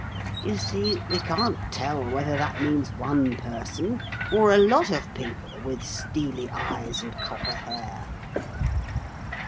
You see we can't tell whether that means one person or a lot of people with steely eyes and copper hair.'